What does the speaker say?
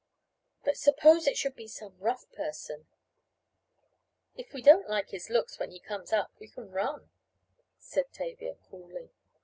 "But suppose it should be some rough person " "If we don't like his looks when he comes up we can run," said Tavia, coolly.